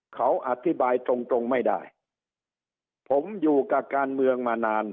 เขาอธิบายตรงตรงไม่ได้ผมอยู่กับการเมืองมานาน